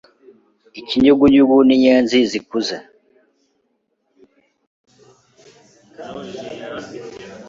Ikinyugunyugu ni inyenzi zikuze.